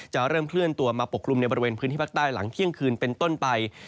จะเริ่มเคลื่อนตัวมาปกคลุมในบริเวณพื้นที่ภาคใต้หลังเที่ยงคืนเป็นต้นไป